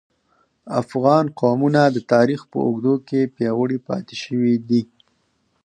افغان قومونه د تاریخ په اوږدو کې پیاوړي پاتې شوي دي